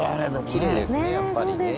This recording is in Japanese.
きれいですねやっぱりね。